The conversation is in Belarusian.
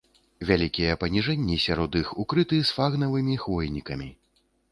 Вялікія паніжэнні сярод іх укрыты сфагнавымі хвойнікамі.